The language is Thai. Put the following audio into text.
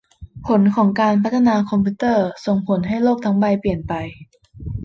ผลของการพัฒนาคอมพิวเตอร์ ส่งผลให้โลกทั้งใบเปลี่ยนไป